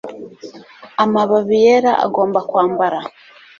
amababi yera agomba kwambara